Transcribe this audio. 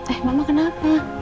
eh mama kenapa